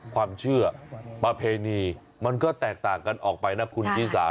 ความเชื่อประเพณีมันก็แตกต่างกันออกไปนะคุณชิสา